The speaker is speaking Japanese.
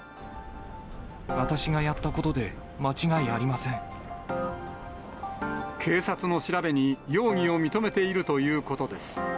私がやったことで間違いあり警察の調べに、容疑を認めているということです。